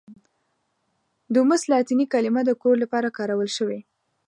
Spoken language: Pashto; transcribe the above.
دوموس لاتیني کلمه د کور لپاره کارول شوې.